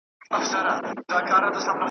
موږ به خپل دردونه چیري چاته ژاړو .